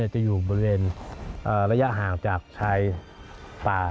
จะอยู่บริเวณระยะห่างจากชายป่า